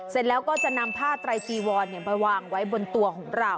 เสร็จแล้วก็จะนำผ้าไตรจีวอนไปวางไว้บนตัวของเรา